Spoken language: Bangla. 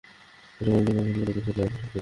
এ বাণিজ্য কাফেলার নেতা ছিল আবু সুফিয়ান।